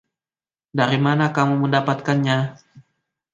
Dari mana kamu mendapatkannya?